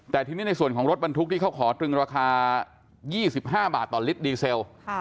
แต่ทีนี้ในส่วนของรถบรรทุกที่เขาขอตรึงราคา๒๕บาทต่อลิตรดีเซล